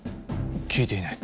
聞いていない。